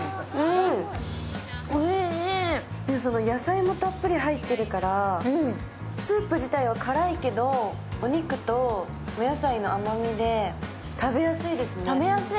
野菜もたっぷり入ってるからスープ自体は辛いけど、お肉とお野菜の甘みで食べやすいですね。